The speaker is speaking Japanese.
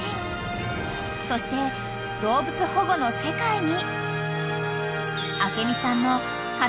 ［そして動物保護の世界に］